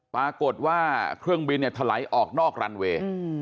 ปรากฏว่าเครื่องบินเนี่ยถลายออกนอกรันเวย์